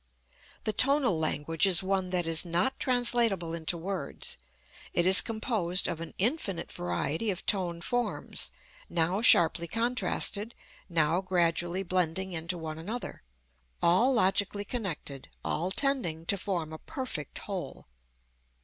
The tonal language is one that is not translatable into words. It is composed of an infinite variety of tone forms, now sharply contrasted, now gradually blending into one another, all logically connected, all tending to form a perfect whole.